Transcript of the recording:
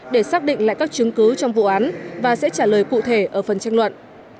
để xác định lại các chứng cứ trong vụ án và sẽ trả lời cụ thể ở phần tranh luận